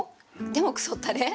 でも「くそったれ」？